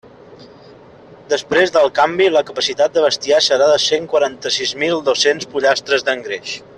Després del canvi, la capacitat de bestiar serà de cent quaranta-sis mil dos-cents pollastres d'engreix.